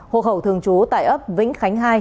hộ khẩu thường trú tại ấp vĩnh khánh hai